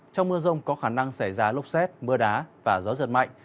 trong mưa rông có khả năng xảy ra lốc xét mưa đá và gió giật mạnh